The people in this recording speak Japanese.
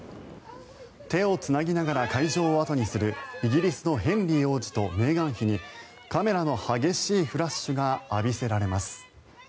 手をつなぎながら会場を後にするイギリスのヘンリー王子とメーガン妃にカメラの激しいフラッシュが浴びせられます。